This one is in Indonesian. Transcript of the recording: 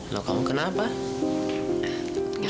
loh kamu kenapa